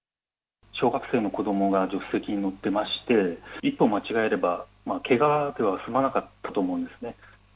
小学生の子どもが助手席に乗ってまして、一歩間違えれば、けがでは済まなかったと思うんですね。